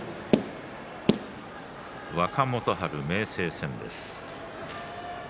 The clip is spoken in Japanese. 若元春、明生戦です。